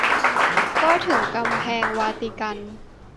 ก็ถึงกำแพงวาติกัน